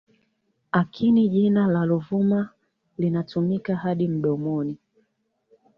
akini jina la Ruvuma linatumika hadi mdomoni